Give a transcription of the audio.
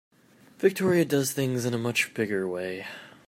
Victoria does things in a much bigger way.